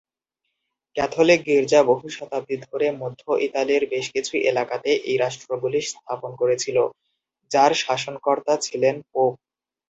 Catholic গির্জা বহু শতাব্দী ধরে মধ্য ইতালির বেশ কিছু এলাকাতে এই রাষ্ট্রগুলি স্থাপন করেছিল, যার শাসনকর্তা ছিলেন পোপ।